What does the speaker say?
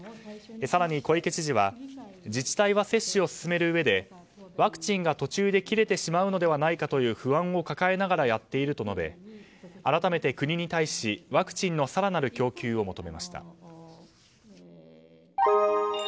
更に小池知事は自治体は接種を進めるうえでワクチンが途中で切れてしまうのではないかという不安を抱えながらやっていると述べ改めて国に対しワクチンの更なる供給を求めました。